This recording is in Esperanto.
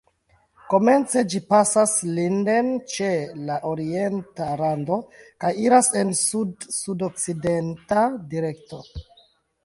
Komence ĝi pasas Linden ĉe la orienta rando kaj iras en sud-sudokcidenta direkto.